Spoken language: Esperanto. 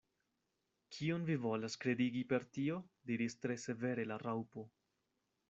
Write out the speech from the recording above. "Kion vi volas kredigi per tio?" diris tre severe la Raŭpo.